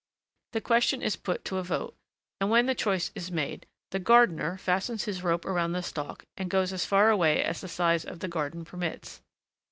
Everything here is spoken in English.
The question is put to a vote, and when the choice is made, the gardener fastens his rope around the stalk and goes as far away as the size of the garden permits.